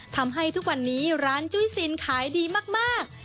ทำให้ทุกวันนี้ร้านจุ้ยซินขายดีมาก